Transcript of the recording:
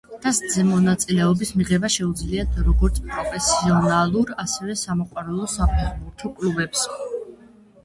თასზე მონაწილეობის მიღება შეუძლიათ როგორც პროფესიონალურ, ასევე სამოყვარულო საფეხბურთო კლუბებს.